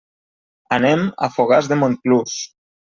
Anem a Fogars de Montclús.